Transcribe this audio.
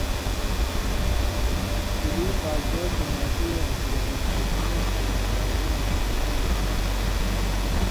اِسکُلی بالٹو تے ماٹی واں کریا انٹرنیٹ تے موبائلاں استعمال ہِن